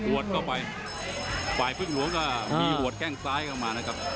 วดเข้าไปฝ่ายพึ่งหลวงก็มีหัวแข้งซ้ายเข้ามานะครับ